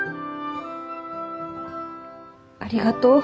ありがとう。